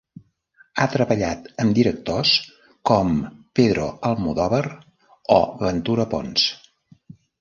Ha treballat amb directors com Pedro Almodóvar o Ventura Pons.